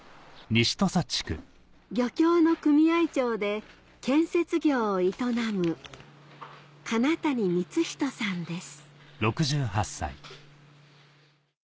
漁協の組合長で建設業を営む金谷光人さんです